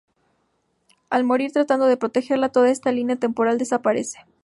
Al morir tratando de protegerla, toda esa línea temporal desaparece.